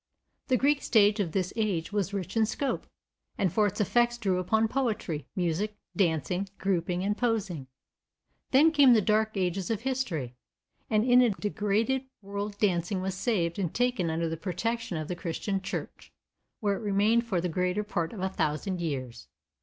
The Greek stage of this age was rich in scope, and for its effects drew upon poetry, music, dancing, grouping and posing. Then came the Dark Ages of history, and in a degraded world dancing was saved and taken under the protection of the Christian church, where it remained for the greater part of a thousand years.